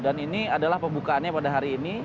dan ini adalah pembukaannya pada hari ini